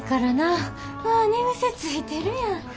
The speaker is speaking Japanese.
あ寝癖ついてるやん。